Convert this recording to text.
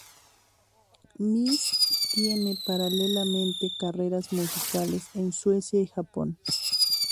Miz tiene paralelamente carreras musicales en Suecia y Japón.